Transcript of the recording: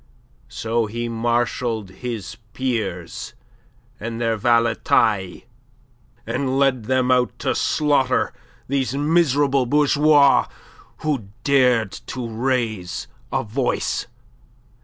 So he marshalled his peers and their valetailles, and led them out to slaughter these miserable bourgeois who dared to raise a voice.